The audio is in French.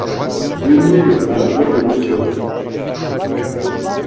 Déliez le bras droit de monsieur.